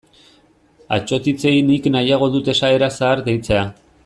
Atsotitzei nik nahiago dut esaera zahar deitzea.